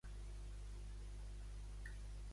Otegi creu que és important el seu cas?